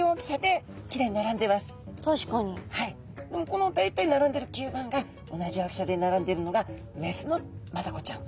この大体ならんでる吸盤が同じ大きさでならんでるのがメスのマダコちゃん。